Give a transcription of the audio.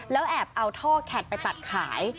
แล้วแอบเอาท่อแข็ดไปตัดขาย